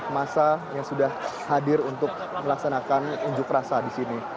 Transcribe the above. masa yang sudah hadir untuk melaksanakan unjuk rasa di sini